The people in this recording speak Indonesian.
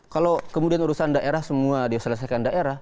kalau kemudian urusan daerah semua diselesaikan daerah